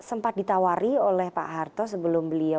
bapak sempat ditawari oleh pak harto sebelum beliau ini lah